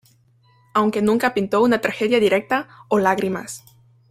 Aunque nunca pintó una tragedia directa o lágrimas.